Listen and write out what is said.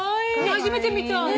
初めて見た。